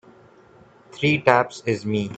Three taps is me.